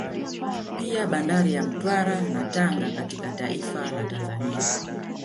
Pia Bandari ya Mtwara na Tanga katika taifa la Tanzania